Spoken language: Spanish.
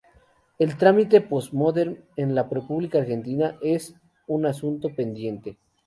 El trámite post mortem en la República Argentina es un asunto pendiente.